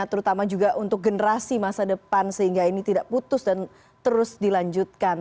terutama juga untuk generasi masa depan sehingga ini tidak putus dan terus dilanjutkan